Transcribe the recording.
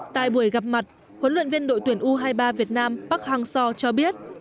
tại buổi gặp mặt huấn luyện viên đội tuyển u hai mươi ba việt nam park hang seo cho biết